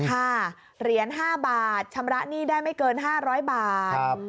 เหรียญ๕บาทชำระหนี้ได้ไม่เกิน๕๐๐บาท